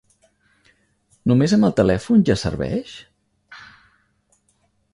Només amb el telèfon ja serveix?